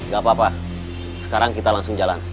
gak apa apa sekarang kita langsung jalan